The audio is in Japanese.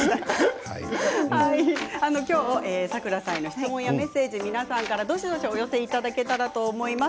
サクラさんへの質問やメッセージ皆さんからどしどしお寄せいただけたらと思います。